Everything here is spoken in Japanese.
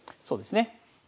そうですね。